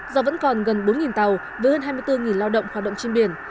do vẫn còn gần bốn tàu với hơn hai mươi bốn lao động hoạt động trên biển